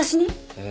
ええ。